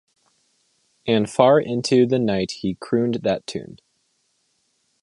And far into the night he crooned that tune.